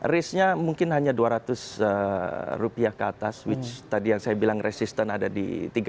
race nya mungkin hanya dua ratus rupiah ke atas which tadi yang saya bilang resistant ada di tiga ratus